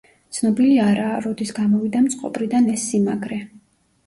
ცნობილი არაა, როდის გამოვიდა მწყობრიდან ეს სიმაგრე.